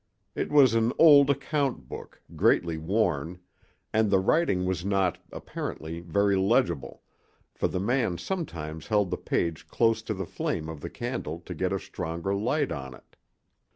It was an old account book, greatly worn; and the writing was not, apparently, very legible, for the man sometimes held the page close to the flame of the candle to get a stronger light on it.